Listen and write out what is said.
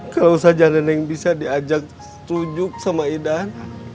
kalau saja nenek bisa diajak tunjuk sama idan